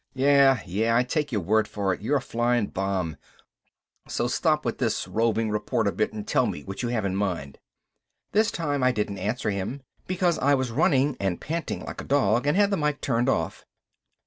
"Yeah, yeah ... I take your word for it, you're a flying bomb. So stop with this roving reporter bit and tell me what you have in mind." This time I didn't answer him, because I was running and panting like a dog, and had the mike turned off.